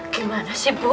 gimana sih bu